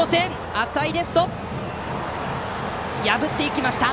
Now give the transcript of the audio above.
浅いレフトを破っていきました！